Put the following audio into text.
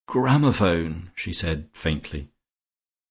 "Gramophone," she said faintly.